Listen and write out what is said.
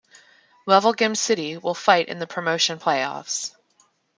Wevelgem City will fight in the Promotion playoffs.